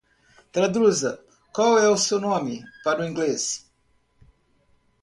Traduza "qual é o seu nome?" para Inglês.